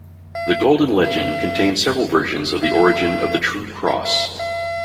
"The Golden Legend" contains several versions of the origin of the True Cross.